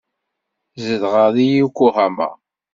Zedɣeɣ deg Yokohama.